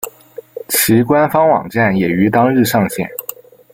其官方网站也于当日上线。